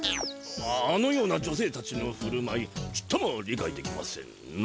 ああのような女せいたちのふるまいちっとも理かいできませんな。